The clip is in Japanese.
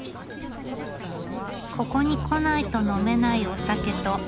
ここに来ないと呑めないお酒とおそば。